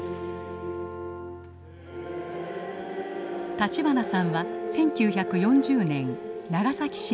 立花さんは１９４０年長崎市の生まれ。